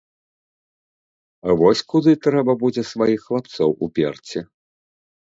Вось куды трэба будзе сваіх хлапцоў уперці.